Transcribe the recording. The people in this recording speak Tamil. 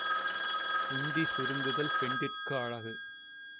உண்டி சுருங்குதல் பெண்டிர்க்கு அழகு.